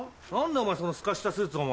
お前そのすかしたスーツお前。